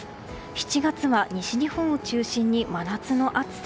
７月は西日本を中心に真夏の暑さ。